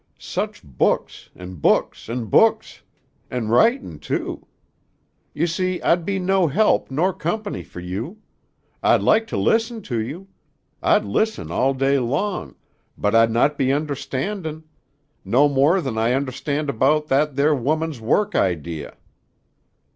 Such books an' books an' books! An' writin' too. You see I'd be no help nor company fer you. I'd like to listen to you. I'd listen all day long, but I'd not be understandin'. No more than I understand about that there woman's work idea."